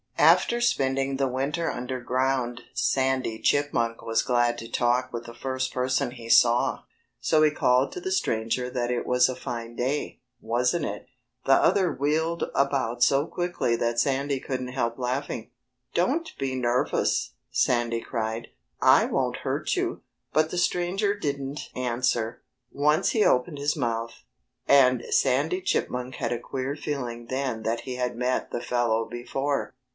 After spending the winter underground Sandy Chipmunk was glad to talk with the first person he saw. So he called to the stranger that it was a fine day, wasn't it? The other wheeled about so quickly that Sandy couldn't help laughing. "Don't be nervous!" Sandy cried. "I won't hurt you!" But the stranger didn't answer. Once he opened his mouth. And Sandy Chipmunk had a queer feeling then that he had met the fellow before.